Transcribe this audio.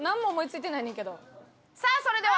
さあそれでは。